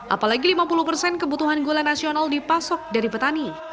apalagi lima puluh persen kebutuhan gula nasional dipasok dari petani